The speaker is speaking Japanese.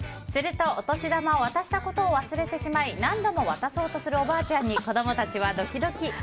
すると、お年玉を渡したことを忘れてしまい何度も渡そうとするおばあちゃんに子供たちはドキドキ。